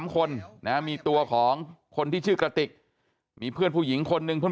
๓คนนะมีตัวของคนที่ชื่อกระติกมีเพื่อนผู้หญิงคนนึงเพื่อน